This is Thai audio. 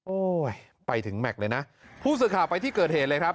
โอ้ยไปถึงเลยนะผู้สื่อข่าวไปที่เกิดเหตุเลยครับ